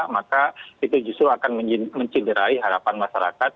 maka itu justru akan mencederai harapan masyarakat